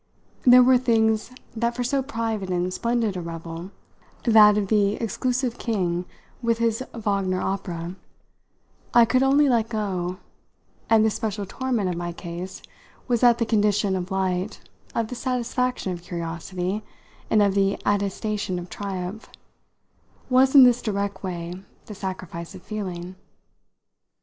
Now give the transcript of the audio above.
There were things that for so private and splendid a revel that of the exclusive king with his Wagner opera I could only let go, and the special torment of my case was that the condition of light, of the satisfaction of curiosity and of the attestation of triumph, was in this direct way the sacrifice of feeling.